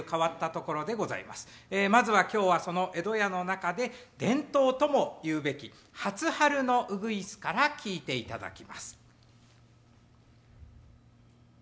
まずは今日はその江戸家の中で伝統とも言うべき初春のウグイスから聞いていただきます。